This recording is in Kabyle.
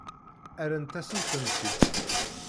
Rrant-asen-tent-id.